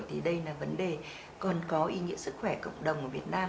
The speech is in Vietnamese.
thì đây là vấn đề còn có ý nghĩa sức khỏe cộng đồng ở việt nam